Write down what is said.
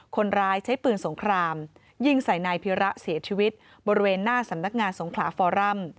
คนร้ายใช้ปืนสงครามยิงใส่นายพิระเสียชีวิตบริเวณหน้าสำนักงานสงขลาฟอรัม